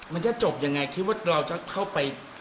มันจะจบยังไงคิดว่าเราจะเข้าไป